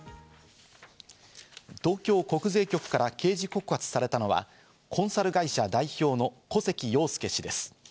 東京国税局から刑事告発されたのはコンサル会社代表の古関陽介氏です。